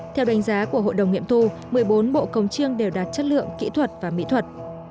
theo đánh giá của hội đồng nghiệm thu một mươi bốn bộ công chiêng đều đạt chất lượng kỹ thuật và mỹ thuật